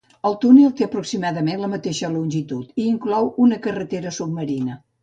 El túnel té aproximadament la mateixa longitud i inclou una carretera submarina.